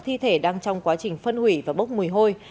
thi thể đang trong quá trình phân hủy và bốc mùi hôi